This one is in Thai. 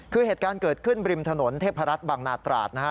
คือเหตุการณ์เกิดขึ้นริมถนนเทพรัฐบางนาตราดนะฮะ